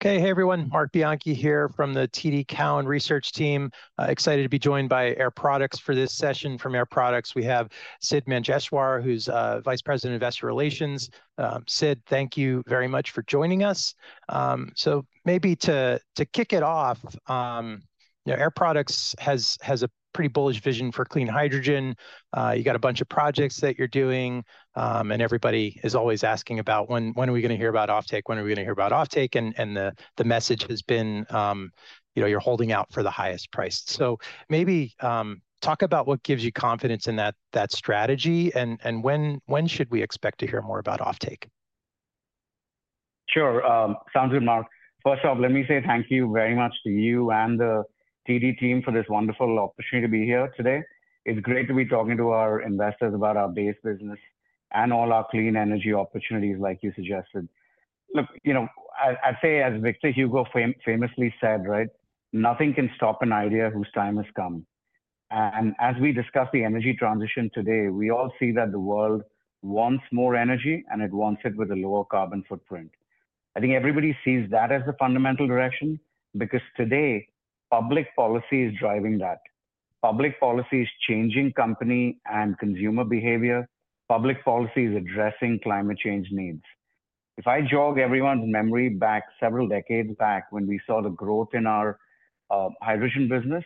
Okay, hey, everyone. Marc Bianchi here from the TD Cowen Research Team. Excited to be joined by Air Products for this session. From Air Products, we have Sidd Manjeshwar, who's Vice President, Investor Relations. Sidd, thank you very much for joining us. So maybe to kick it off, you know, Air Products has a pretty bullish vision for clean hydrogen. You got a bunch of projects that you're doing, and everybody is always asking about when, when are we gonna hear about offtake? When are we gonna hear about offtake? And the message has been, you know, you're holding out for the highest price. So maybe talk about what gives you confidence in that strategy, and when should we expect to hear more about offtake? Sure. Sounds good, Marc. First off, let me say thank you very much to you and the TD team for this wonderful opportunity to be here today. It's great to be talking to our investors about our base business and all our clean energy opportunities, like you suggested. Look, you know, I, I'd say, as Victor Hugo famously said, right, "Nothing can stop an idea whose time has come." And as we discuss the energy transition today, we all see that the world wants more energy, and it wants it with a lower carbon footprint. I think everybody sees that as a fundamental direction because today, public policy is driving that. Public policy is changing company and consumer behavior. Public policy is addressing climate change needs. If I jog everyone's memory back several decades back when we saw the growth in our hydrogen business,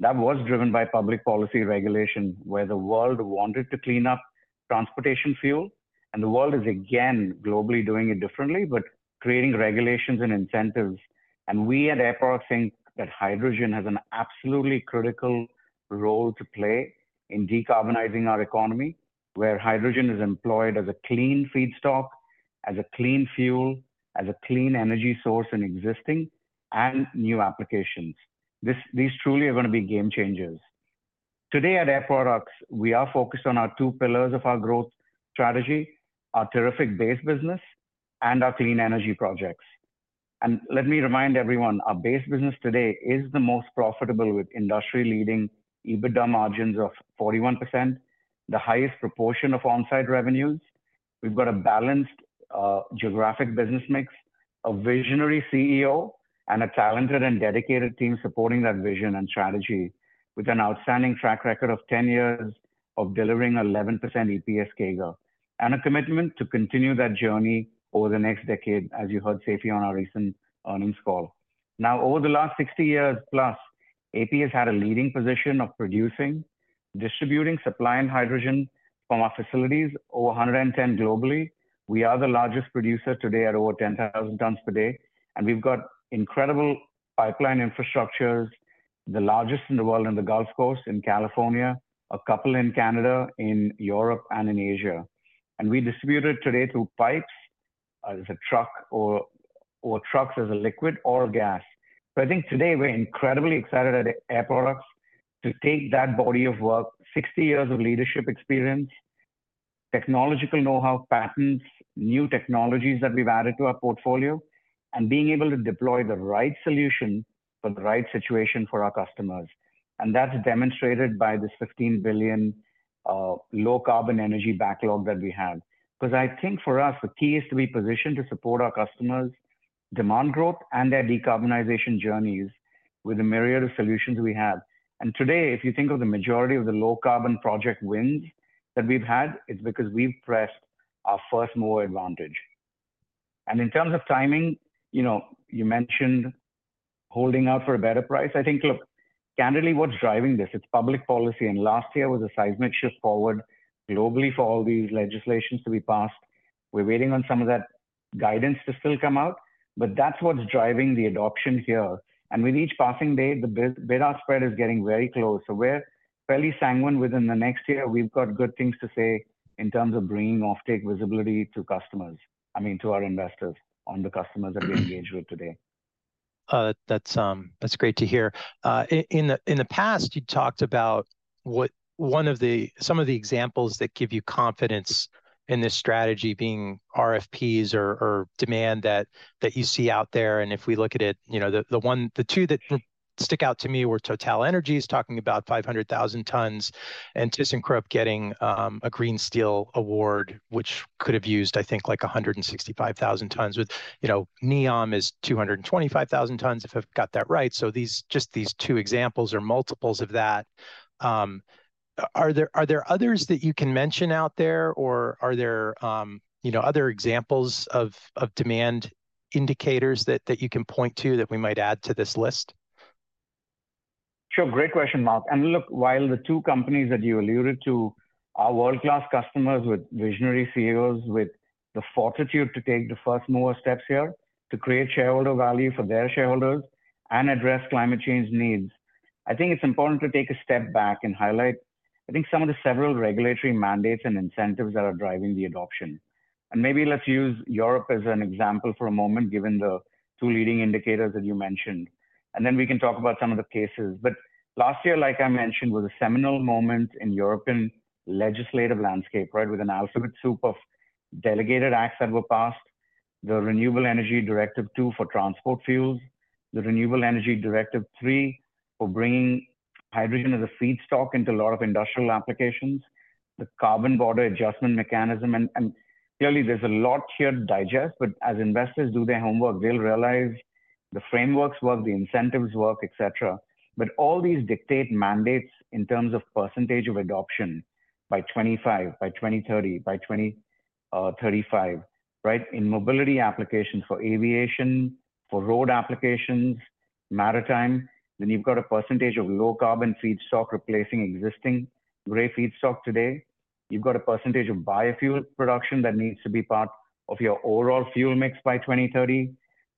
that was driven by public policy regulation, where the world wanted to clean up transportation fuel, and the world is again globally doing it differently, but creating regulations and incentives. And we at Air Products think that hydrogen has an absolutely critical role to play in decarbonizing our economy, where hydrogen is employed as a clean feedstock, as a clean fuel, as a clean energy source in existing and new applications. These truly are gonna be game changers. Today at Air Products, we are focused on our two pillars of our growth strategy, our terrific base business and our clean energy projects. And let me remind everyone, our base business today is the most profitable, with industry-leading EBITDA margins of 41%, the highest proportion of on-site revenues. We've got a balanced, geographic business mix, a visionary CEO, and a talented and dedicated team supporting that vision and strategy, with an outstanding track record of 10 years of delivering 11% EPS CAGR, and a commitment to continue that journey over the next decade, as you heard Seifi on our recent earnings call. Now, over the last 60+ years, AP has had a leading position of producing, distributing, supplying hydrogen from our facilities, over 110 globally. We are the largest producer today at over 10,000 tons per day, and we've got incredible pipeline infrastructures, the largest in the world in the Gulf Coast, in California, a couple in Canada, in Europe, and in Asia. And we distribute it today through pipes, as a truck or trucks, as a liquid or gas. So I think today we're incredibly excited at Air Products to take that body of work, 60 years of leadership experience, technological know-how, patents, new technologies that we've added to our portfolio, and being able to deploy the right solution for the right situation for our customers. And that's demonstrated by this $15 billion low-carbon energy backlog that we have. 'Cause I think for us, the key is to be positioned to support our customers' demand growth and their decarbonization journeys with the myriad of solutions we have. And today, if you think of the majority of the low-carbon project wins that we've had, it's because we've pressed our first-mover advantage. And in terms of timing, you know, you mentioned holding out for a better price. I think, look, candidly, what's driving this? It's public policy, and last year was a seismic shift forward globally for all these legislations to be passed. We're waiting on some of that guidance to still come out, but that's what's driving the adoption here. And with each passing day, the bid-ask spread is getting very close. So we're fairly sanguine within the next year, we've got good things to say in terms of bringing offtake visibility to customers, I mean, to our investors on the customers that we engage with today. That's great to hear. In the past, you talked about some of the examples that give you confidence in this strategy being RFPs or demand that you see out there, and if we look at it, you know, the two that stick out to me were TotalEnergies talking about 500,000 tons, and thyssenkrupp getting a green steel award, which could have used, I think, like 165,000 tons. With, you know, NEOM is 225,000 tons, if I've got that right. So these, just these two examples are multiples of that. Are there others that you can mention out there, or are there, you know, other examples of demand indicators that you can point to that we might add to this list? Sure. Great question, Marc. And look, while the two companies that you alluded to are world-class customers with visionary CEOs, with the fortitude to take the first mover steps here to create shareholder value for their shareholders and address climate change needs, I think it's important to take a step back and highlight, I think, some of the several regulatory mandates and incentives that are driving the adoption. And maybe let's use Europe as an example for a moment, given the two leading indicators that you mentioned, and then we can talk about some of the cases. But last year, like I mentioned, was a seminal moment in European legislative landscape, right? With an alphabet soup of delegated acts that were passed, the Renewable Energy Directive II for transport fuels, the Renewable Energy Directive III for bringing hydrogen as a feedstock into a lot of industrial applications, the Carbon Border Adjustment Mechanism. And clearly there's a lot here to digest, but as investors do their homework, they'll realize the frameworks work, the incentives work, et cetera. But all these dictate mandates in terms of percentage of adoption by 2025, by 2030, by 2035, right? In mobility applications for aviation, for road applications, maritime, then you've got a percentage of low carbon feedstock replacing existing gray feedstock today. You've got a percentage of biofuel production that needs to be part of your overall fuel mix by 2030.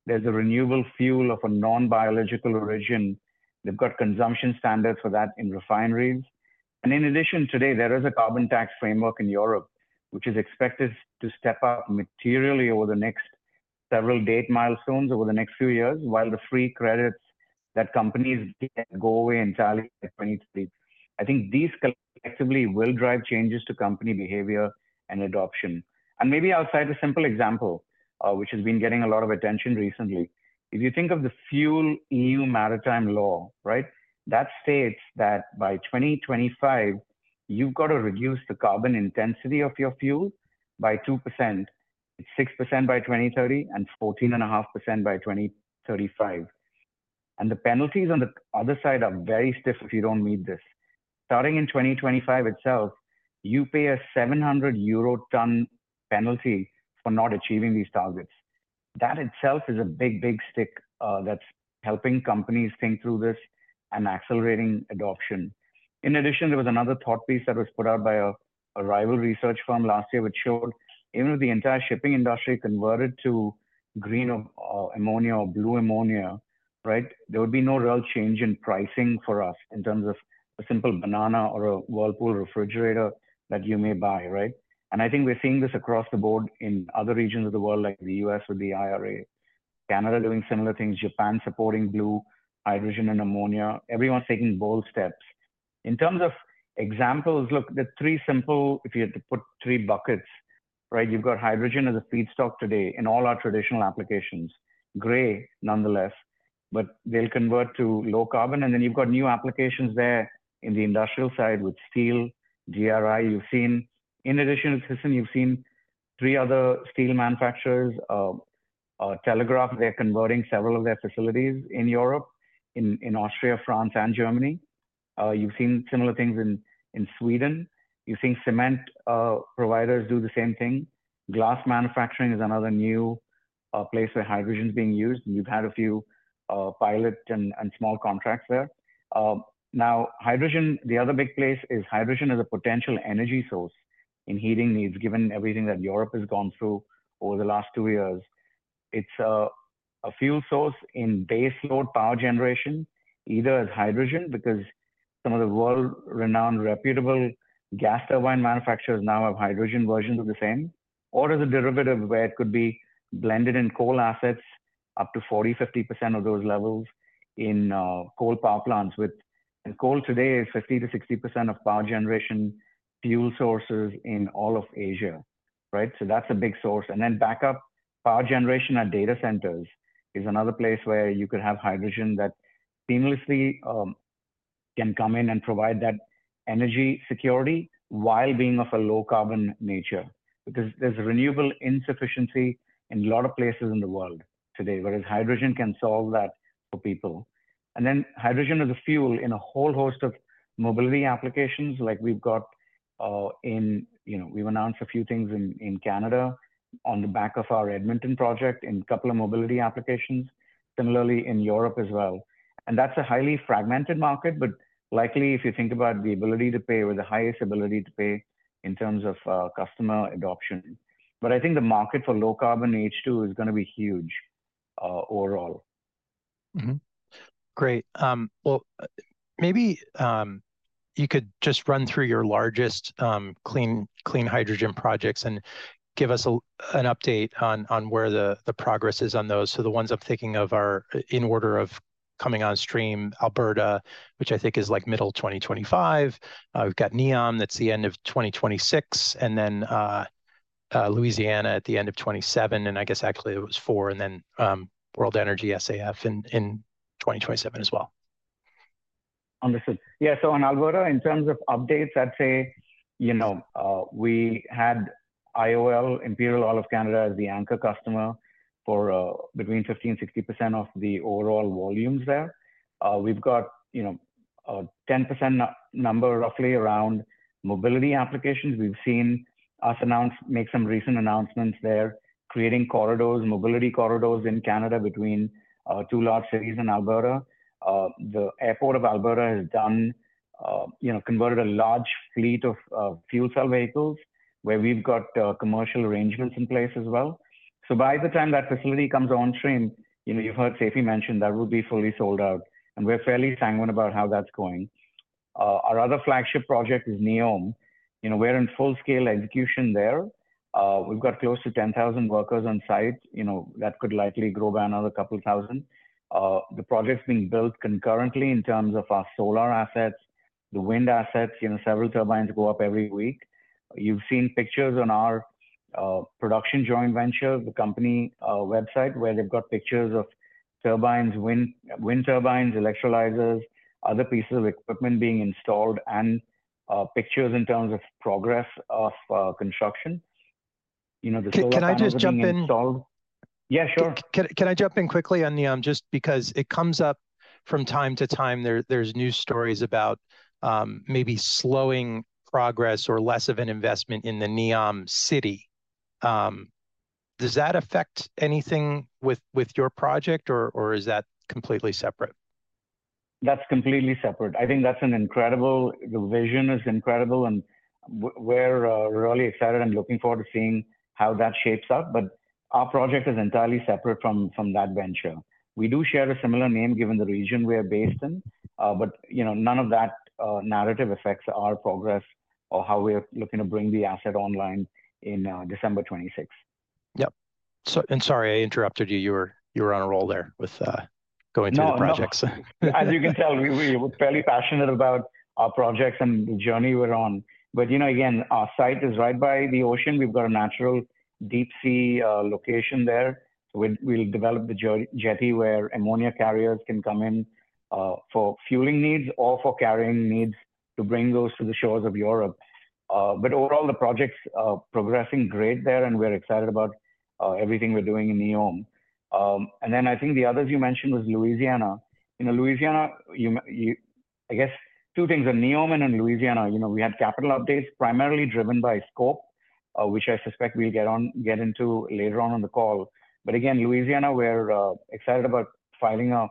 There's a renewable fuel of a non-biological origin. They've got consumption standards for that in refineries. In addition, today, there is a carbon tax framework in Europe, which is expected to step up materially over the next several date milestones over the next few years, while the free credits that companies get go away entirely by 2023. I think these collectively will drive changes to company behavior and adoption. And maybe I'll cite a simple example, which has been getting a lot of attention recently. If you think of the FuelEU Maritime law, right? That states that by 2025, you've got to reduce the carbon intensity of your fuel by 2%, 6% by 2030, and 14.5% by 2035. And the penalties on the other side are very stiff if you don't meet this. Starting in 2025 itself, you pay a 700 euro ton penalty for not achieving these targets. That itself is a big, big stick that's helping companies think through this and accelerating adoption. In addition, there was another thought piece that was put out by a rival research firm last year, which showed even if the entire shipping industry converted to green or ammonia or blue ammonia, right, there would be no real change in pricing for us in terms of a simple banana or a Whirlpool refrigerator that you may buy, right? And I think we're seeing this across the board in other regions of the world, like the U.S. with the IRA. Canada are doing similar things, Japan supporting blue hydrogen and ammonia. Everyone's taking bold steps. In terms of examples, look, the three simple— If you had to put three buckets, right? You've got hydrogen as a feedstock today in all our traditional applications, gray nonetheless, but they'll convert to low carbon. And then you've got new applications there in the industrial side with steel, DRI, you've seen. In addition, for instance, you've seen three other steel manufacturers. They're converting several of their facilities in Europe, in Austria, France, and Germany. You've seen similar things in Sweden. You've seen cement providers do the same thing. Glass manufacturing is another new place where hydrogen is being used, and you've had a few pilot and small contracts there. Now, hydrogen, the other big place is hydrogen is a potential energy source in heating needs, given everything that Europe has gone through over the last two years. It's a fuel source in base load power generation, either as hydrogen, because some of the world-renowned reputable gas turbine manufacturers now have hydrogen versions of the same, or as a derivative where it could be blended in coal assets up to 40%-50% of those levels in coal power plants. And coal today is 50%-60% of power generation fuel sources in all of Asia, right? So that's a big source. And then backup power generation at data centers is another place where you could have hydrogen that seamlessly can come in and provide that energy security while being of a low carbon nature. Because there's a renewable insufficiency in a lot of places in the world today, whereas hydrogen can solve that for people. And then hydrogen is a fuel in a whole host of mobility applications like we've got. You know, we've announced a few things in Canada on the back of our Edmonton project, in a couple of mobility applications, similarly in Europe as well. And that's a highly fragmented market, but likely, if you think about the ability to pay, with the highest ability to pay in terms of customer adoption. But I think the market for low carbon H2 is gonna be huge overall. Great. Well, maybe you could just run through your largest clean, clean hydrogen projects and give us a, an update on, on where the, the progress is on those. So the ones I'm thinking of are in order of coming on stream, Alberta, which I think is like middle 2025. We've got NEOM, that's the end of 2026, and then Louisiana at the end of 2027, and I guess actually it was four, and then World Energy SAF in 2027 as well. Understood. Yeah, so on Alberta, in terms of updates, I'd say, you know, we had IOL, Imperial Oil of Canada, as the anchor customer for between 15%-60% of the overall volumes there. We've got, you know, a 10% number roughly around mobility applications. We've seen us make some recent announcements there, creating corridors, mobility corridors in Canada between two large cities in Alberta. The airport of Alberta has done, you know, converted a large fleet of fuel cell vehicles, where we've got commercial arrangements in place as well. So by the time that facility comes on stream, you know, you've heard Seifi mention that would be fully sold out, and we're fairly sanguine about how that's going. Our other flagship project is NEOM. You know, we're in full-scale execution there. We've got close to 10,000 workers on site, you know, that could likely grow by another couple thousand. The project's being built concurrently in terms of our solar assets, the wind assets, you know, several turbines go up every week. You've seen pictures on our production joint venture, the company website, where they've got pictures of turbines, wind, wind turbines, electrolyzers, other pieces of equipment being installed, and pictures in terms of progress of construction. You know, the solar panels are being installed. Can I just jump in? Yeah, sure. Can I jump in quickly on NEOM, just because it comes up from time to time? There's news stories about maybe slowing progress or less of an investment in the NEOM city. Does that affect anything with your project, or is that completely separate? That's completely separate. I think that's an incredible-- The vision is incredible, and we're really excited and looking forward to seeing how that shapes up. But our project is entirely separate from that venture. We do share a similar name, given the region we're based in, but, you know, none of that narrative affects our progress or how we're looking to bring the asset online in December 2026. Yep. So, and sorry I interrupted you. You were on a roll there with going through the projects. No, no. As you can tell, we're fairly passionate about our projects and the journey we're on. But, you know, again, our site is right by the ocean. We've got a natural deep sea location there. We'll develop the jetty where ammonia carriers can come in for fueling needs or for carrying needs to bring those to the shores of Europe. But overall, the project's progressing great there, and we're excited about everything we're doing in NEOM. And then I think the others you mentioned was Louisiana. In Louisiana, I guess two things, in NEOM and in Louisiana, you know, we had capital updates primarily driven by scope, which I suspect we'll get into later on in the call. But again, Louisiana, we're excited about filing a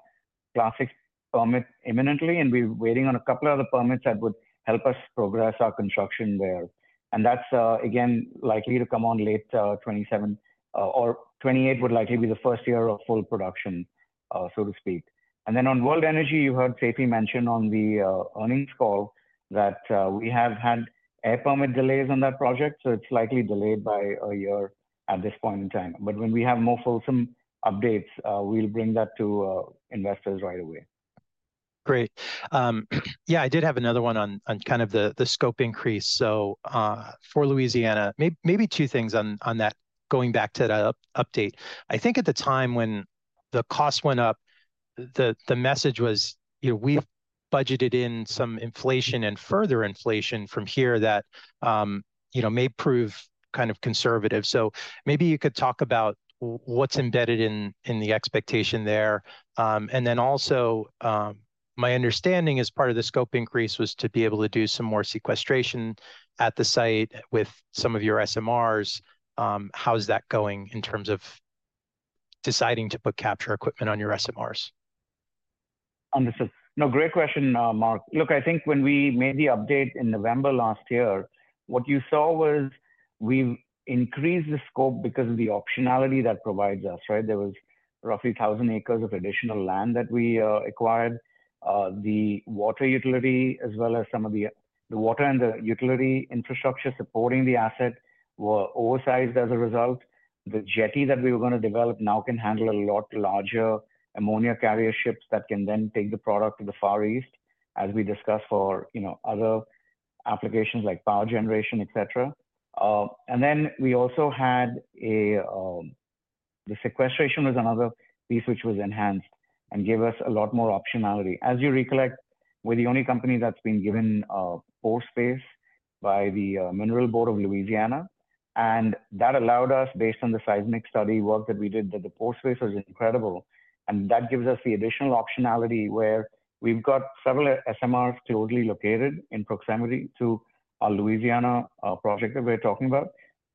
Class VI permit imminently, and we're waiting on a couple other permits that would help us progress our construction there. And that's, again, likely to come on late 2027, or 2028 would likely be the first year of full production, so to speak. And then on World Energy, you heard Seifi mention on the earnings call that we have had air permit delays on that project, so it's likely delayed by a year at this point in time. But when we have more fulsome updates, we'll bring that to investors right away. Great. Yeah, I did have another one on kind of the scope increase. So, for Louisiana, maybe two things on that, going back to the update. I think at the time when the cost went up, the message was, you know, we've budgeted in some inflation and further inflation from here that, you know, may prove kind of conservative. So maybe you could talk about what's embedded in the expectation there. And then also, my understanding as part of the scope increase was to be able to do some more sequestration at the site with some of your SMRs. How is that going in terms of deciding to put capture equipment on your SMRs? Understood. No, great question, Marc. Look, I think when we made the update in November last year, what you saw was we've increased the scope because of the optionality that provides us, right? There was roughly 1,000 acres of additional land that we acquired. The water utility, as well as some of the, the water and the utility infrastructure supporting the asset, were oversized as a result. The jetty that we were gonna develop now can handle a lot larger ammonia carrier ships that can then take the product to the Far East, as we discussed for, you know, other applications like power generation, et cetera. And then we also had a, the sequestration was another piece which was enhanced and gave us a lot more optionality. As you recollect, we're the only company that's been given port space by the Mineral Board of Louisiana, and that allowed us, based on the seismic study work that we did, that the port space was incredible. And that gives us the additional optionality where we've got several SMRs closely located in proximity to our Louisiana project that we're talking about.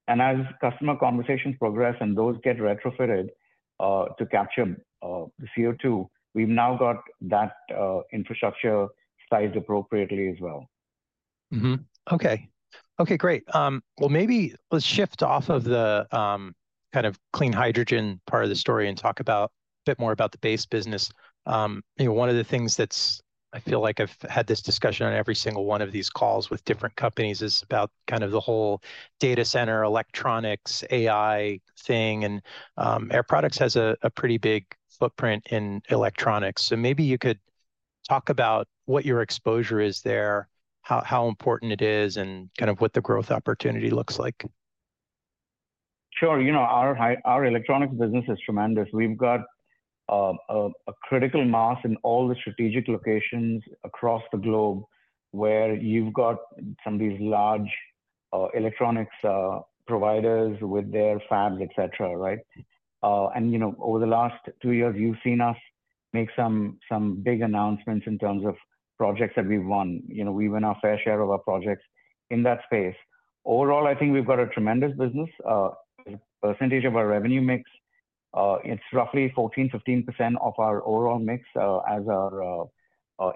And as customer conversations progress and those get retrofitted to capture the CO2, we've now got that infrastructure sized appropriately as well. Okay. Okay, great. Well, maybe let's shift off of the kind of clean hydrogen part of the story and talk about a bit more about the base business. You know, one of the things that's, I feel like I've had this discussion on every single one of these calls with different companies, is about kind of the whole data center, electronics, AI thing, and Air Products has a pretty big footprint in electronics. So maybe you could talk about what your exposure is there, how important it is, and kind of what the growth opportunity looks like. Sure. You know, our electronics business is tremendous. We've got a critical mass in all the strategic locations across the globe, where you've got some of these large electronics providers with their fabs, et cetera, right? And, you know, over the last two years, you've seen us make some big announcements in terms of projects that we've won. You know, we win our fair share of projects in that space. Overall, I think we've got a tremendous business. Percentage of our revenue mix, it's roughly 14%-15% of our overall mix, as our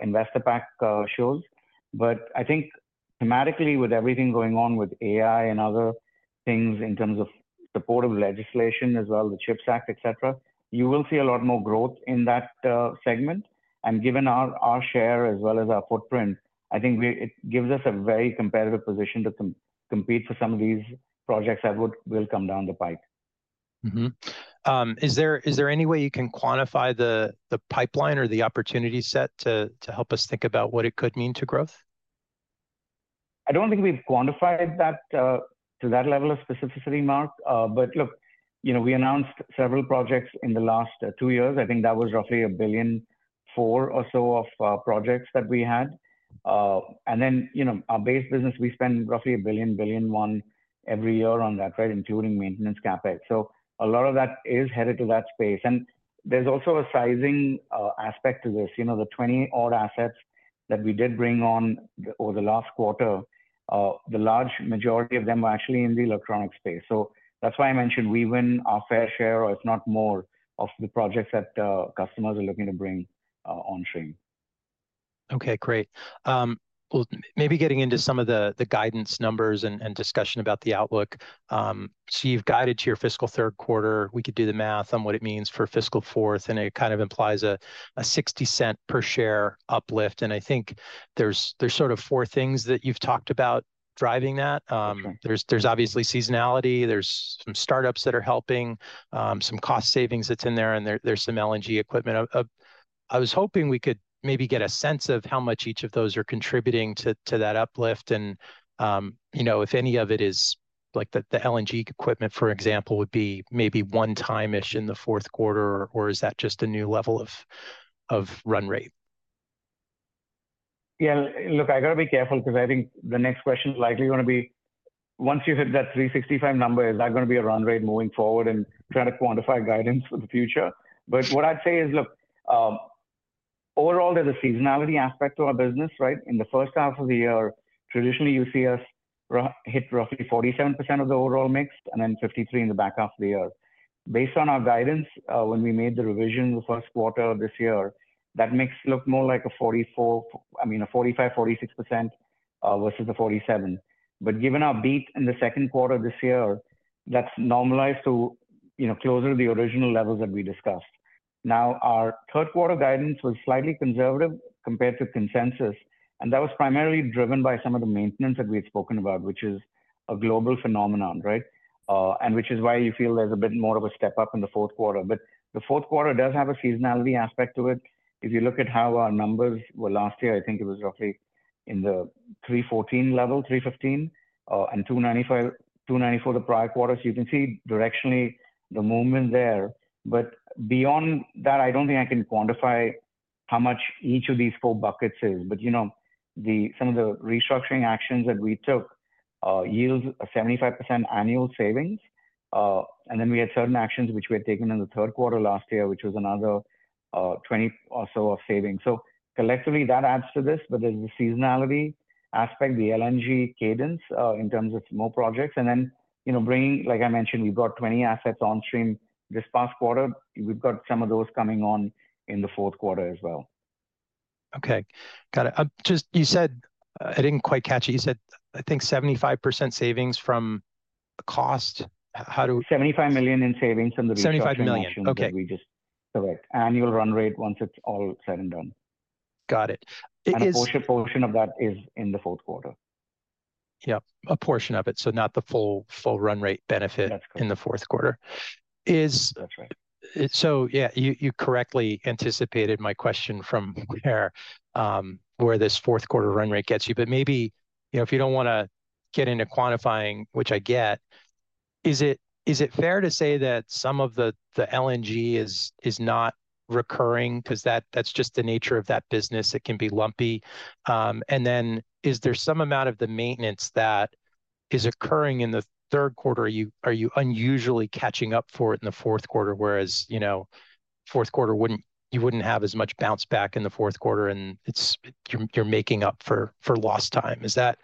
investor pack shows. But I think thematically, with everything going on with AI and other things in terms of supportive legislation as well, the CHIPS Act, et cetera, you will see a lot more growth in that segment. Given our share as well as our footprint, I think it gives us a very competitive position to compete for some of these projects that will come down the pipe. Is there any way you can quantify the pipeline or the opportunity set to help us think about what it could mean to growth? I don't think we've quantified that to that level of specificity, Marc. But look, you know, we announced several projects in the last two years. I think that was roughly $1.4 billion or so of projects that we had. And then, you know, our base business, we spend roughly $1 billion-$1.1 billion every year on that, right, including maintenance CapEx. So a lot of that is headed to that space. And there's also a sizing aspect to this. You know, the 20-odd assets that we did bring on over the last quarter, the large majority of them are actually in the electronic space. So that's why I mentioned we win our fair share, or if not more, of the projects that customers are looking to bring on stream. Okay, great. Well, maybe getting into some of the, the guidance numbers and, and discussion about the outlook. So you've guided to your fiscal third quarter. We could do the math on what it means for fiscal fourth, and it kind of implies a $0.60 per share uplift. And I think there's, there's sort of four things that you've talked about driving that. Okay. There's obviously seasonality, there's some startups that are helping, some cost savings that's in there, and there's some LNG equipment. I was hoping we could maybe get a sense of how much each of those are contributing to that uplift and, you know, if any of it is, like, the LNG equipment, for example, would be maybe one-time-ish in the fourth quarter, or is that just a new level of run rate? Yeah, look, I gotta be careful because I think the next question is likely gonna be, once you hit that $365 million number, is that gonna be a run rate moving forward and try to quantify guidance for the future? But what I'd say is, look, overall, there's a seasonality aspect to our business, right? In the first half of the year, traditionally, you see us hit roughly 47% of the overall mix, and then 53% in the back half of the year. Based on our guidance, when we made the revision the first quarter of this year, that mix looked more like a 44%, I mean, a 45%, 46%, versus the 47%. But given our beat in the second quarter this year, that's normalized to, you know, closer to the original levels that we discussed. Now, our third quarter guidance was slightly conservative compared to consensus, and that was primarily driven by some of the maintenance that we had spoken about, which is a global phenomenon, right? And which is why you feel there's a bit more of a step up in the fourth quarter. But the fourth quarter does have a seasonality aspect to it. If you look at how our numbers were last year, I think it was roughly in the $3.14 level, $3.15, and $2.95, $2.94 the prior quarter. So you can see directionally the movement there. But beyond that, I don't think I can quantify how much each of these four buckets is. But, you know, some of the restructuring actions that we took yields a 75% annual savings. And then we had certain actions which we had taken in the third quarter last year, which was another $20 million or so of savings. So collectively, that adds to this, but there's the seasonality aspect, the LNG cadence in terms of more projects, and then, you know, bringing, like I mentioned, we've got 20 assets on stream this past quarter. We've got some of those coming on in the fourth quarter as well. Okay. Got it. Just, you said, I didn't quite catch it. You said, I think 75% savings from cost. How do- $75 million in savings from the- $75 million, okay... restructuring that we just - Correct. Annual run rate once it's all said and done. Got it. A portion of that is in the fourth quarter. Yep, a portion of it, so not the full, full run rate benefit- That's correct... in the fourth quarter. Is- That's right. So, yeah, you, you correctly anticipated my question from where, where this fourth quarter run rate gets you. But maybe, you know, if you don't wanna get into quantifying, which I get, is it, is it fair to say that some of the, the LNG is, is not recurring? 'Cause that, that's just the nature of that business. It can be lumpy. And then is there some amount of the maintenance that is occurring in the third quarter, are you, are you unusually catching up for it in the fourth quarter, whereas, you know, fourth quarter wouldn't, you wouldn't have as much bounce back in the fourth quarter, and it's, you're, you're making up for, for lost time? Is that--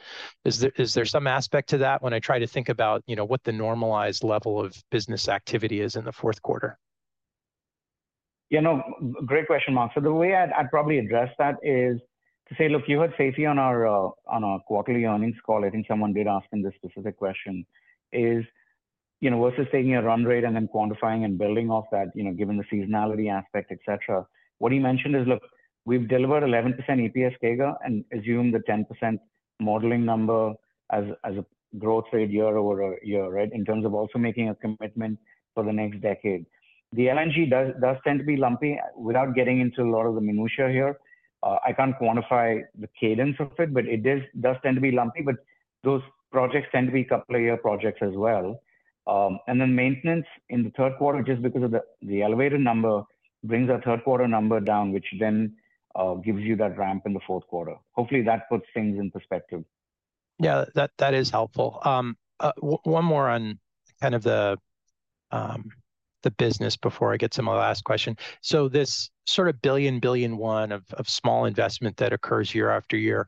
Is there, is there some aspect to that when I try to think about, you know, what the normalized level of business activity is in the fourth quarter? You know, great question, Marc. So the way I'd probably address that is to say, look, you heard Seifi on our, on our quarterly earnings call. I think someone did ask him this specific question, is, you know, versus taking a run rate and then quantifying and building off that, you know, given the seasonality aspect, et cetera. What he mentioned is, look, we've delivered 11% EPS CAGR and assumed the 10% modeling number as a, as a growth rate year over year, right, in terms of also making a commitment for the next decade. The LNG does, does tend to be lumpy. Without getting into a lot of the minutiae here, I can't quantify the cadence of it, but it is- does tend to be lumpy, but those projects tend to be couple of year projects as well. And then maintenance in the third quarter, just because of the elevated number, brings our third quarter number down, which then gives you that ramp in the fourth quarter. Hopefully, that puts things in perspective. Yeah, that, that is helpful. One more on kind of the, the business before I get to my last question. So this sort of $1 billion-$1.1 billion of small investment that occurs year after year,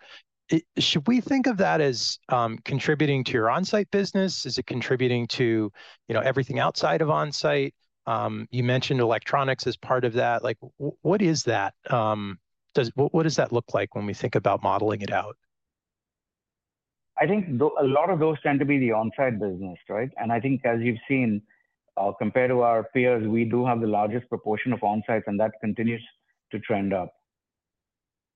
should we think of that as contributing to your onsite business? Is it contributing to, you know, everything outside of onsite? You mentioned electronics as part of that. Like, what is that? What does that look like when we think about modeling it out? I think a lot of those tend to be the on-site business, right? And I think as you've seen, compared to our peers, we do have the largest proportion of on-sites, and that continues to trend up.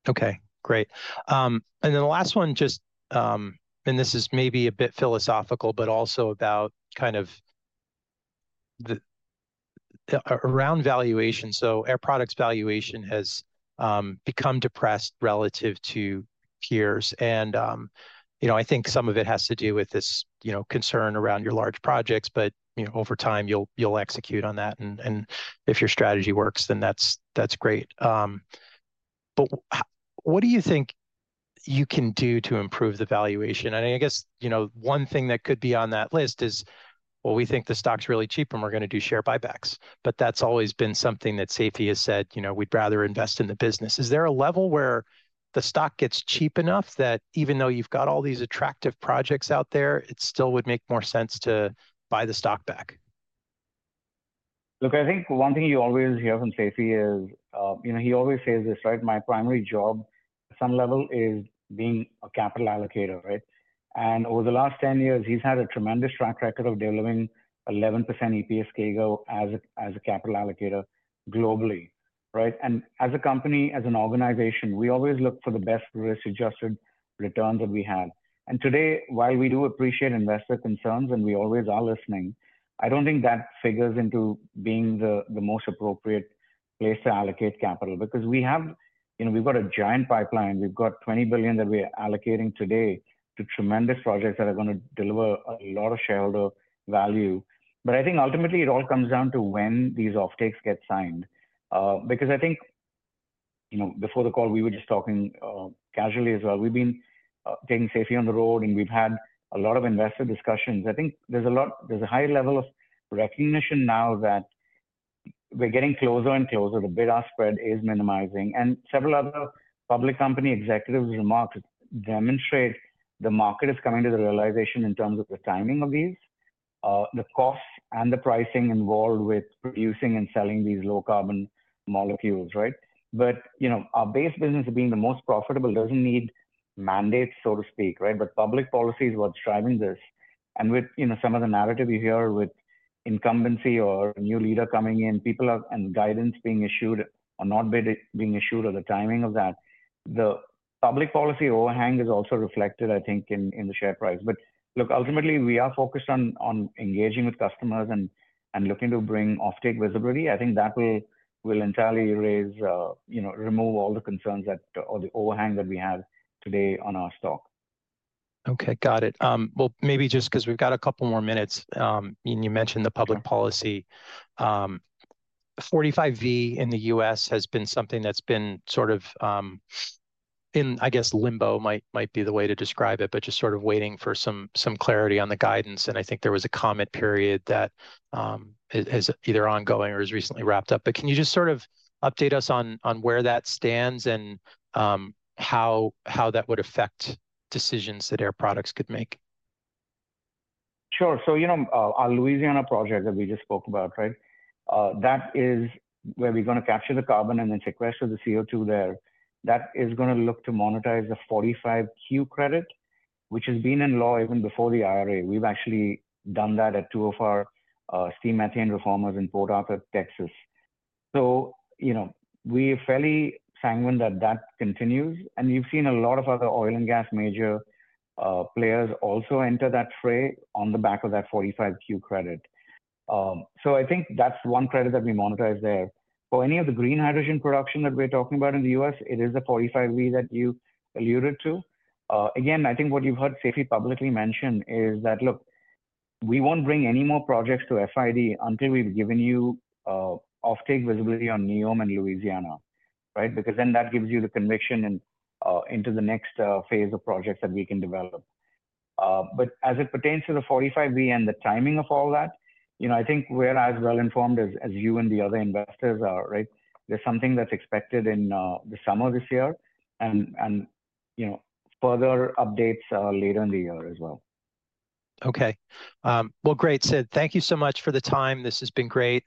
Okay, great. And then the last one, just, and this is maybe a bit philosophical, but also about kind of the around valuation. So Air Products' valuation has become depressed relative to peers, and you know, I think some of it has to do with this, you know, concern around your large projects, but you know, over time you'll execute on that, and if your strategy works, then that's great. But what do you think you can do to improve the valuation? And I guess, you know, one thing that could be on that list is, well, we think the stock's really cheap and we're gonna do share buybacks, but that's always been something that Seifi has said, "You know, we'd rather invest in the business." Is there a level where the stock gets cheap enough that even though you've got all these attractive projects out there, it still would make more sense to buy the stock back? Look, I think one thing you always hear from Seifi is, you know, he always says this, right? "My primary job, some level, is being a capital allocator," right? And over the last 10 years, he's had a tremendous track record of delivering 11% EPS CAGR as a, as a capital allocator globally, right? And as a company, as an organization, we always look for the best risk-adjusted returns that we have. And today, while we do appreciate investor concerns, and we always are listening, I don't think that figures into being the, the most appropriate place to allocate capital. Because we have... You know, we've got a giant pipeline. We've got $20 billion that we're allocating today to tremendous projects that are gonna deliver a lot of shareholder value. But I think ultimately it all comes down to when these offtakes get signed. Because I think, you know, before the call, we were just talking casually as well. We've been taking Seifi on the road, and we've had a lot of investor discussions. I think there's a high level of recognition now that we're getting closer and closer, the bid-ask spread is minimizing, and several other public company executives' remarks demonstrate the market is coming to the realization in terms of the timing of these, the costs and the pricing involved with producing and selling these low-carbon molecules, right? But, you know, our base business being the most profitable doesn't need mandates, so to speak, right? But public policy is what's driving this, and with, you know, some of the narrative you hear with incumbency or a new leader coming in, people are and guidance being issued or not being issued or the timing of that, the public policy overhang is also reflected, I think, in the share price. But look, ultimately, we are focused on engaging with customers and looking to bring offtake visibility. I think that will entirely raise, you know, remove all the concerns that, or the overhang that we have today on our stock. Okay, got it. Well, maybe just 'cause we've got a couple more minutes, and you mentioned the public policy. 45V in the U.S. has been something that's been sort of, in, I guess, limbo, might be the way to describe it, but just sort of waiting for some clarity on the guidance, and I think there was a comment period that is either ongoing or is recently wrapped up. But can you just sort of update us on where that stands and how that would affect decisions that Air Products could make? Sure. So, you know, our Louisiana project that we just spoke about, right? That is where we're gonna capture the carbon and then sequester the CO2 there. That is gonna look to monetize the 45Q credit, which has been in law even before the IRA. We've actually done that at two of our steam methane reformers in Port Arthur, Texas. So, you know, we're fairly sanguine that that continues, and you've seen a lot of other oil and gas major players also enter that fray on the back of that 45Q credit. So I think that's one credit that we monetize there. For any of the green hydrogen production that we're talking about in the US, it is the 45V that you alluded to. Again, I think what you've heard Seifi publicly mention is that, "Look, we won't bring any more projects to FID until we've given you, offtake visibility on NEOM and Louisiana," right? Because then that gives you the conviction and, into the next, phase of projects that we can develop. But as it pertains to the 45V and the timing of all that, you know, I think we're as well-informed as, as you and the other investors are, right? There's something that's expected in, the summer this year, and, and, you know, further updates, later in the year as well. Okay. Well, great, Sid. Thank you so much for the time. This has been great.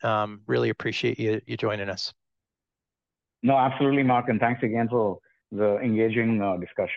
Really appreciate you, you joining us. No, absolutely, Marc, and thanks again for the engaging discussion.